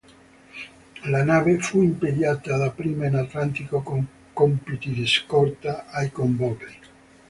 La nave fu impiegata dapprima in Atlantico con compiti di scorta ai convogli.